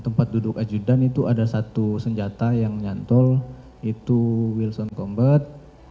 tempat duduk ajudan itu ada satu senjata yang nyantol itu wilson combat